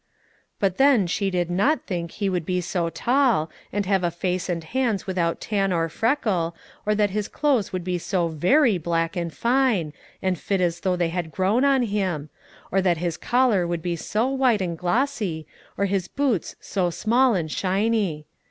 But then she did not think he would be so tall, and have a face and hands without tan or freckle, or that his clothes would be so very black and fine, and fit as though they had grown on him, or that his collar would be so white and glossy, or his boots so small and shiny.